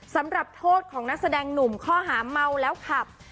สำหรับโทษของนักแสดงหนุ่มข้อหาเมาแล้วขับ